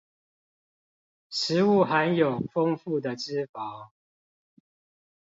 食物含有豐富的脂肪